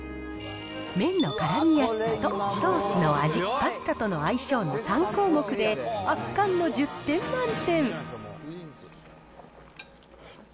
麺のからみやすさとソースの味、パスタとの相性の３項目で、圧巻の１０点満点。